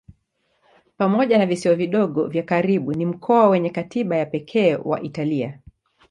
Pamoja na visiwa vidogo vya karibu ni mkoa wenye katiba ya pekee wa Italia.